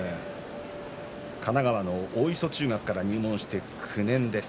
神奈川の大磯中学から入門して９年です。